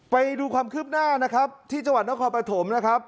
ไปดูความคืบหน้านะครับที่จังหวัดนครปฐมนะครับ